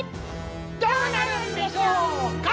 どうなるんでしょうか